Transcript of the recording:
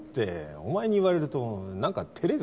お前に言われると何かてれる。